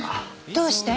どうして？